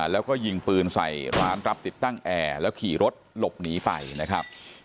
แล้วก็ยิงปืนใส่ร้านรับติดตั้งแอร์แล้วขี่รถหลบหนีไปนะครับ